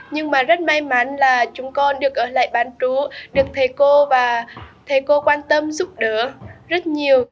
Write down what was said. nhưng mà rất may mắn là chúng con được ở lại bán chú được thầy cô và thầy cô quan tâm giúp đỡ rất nhiều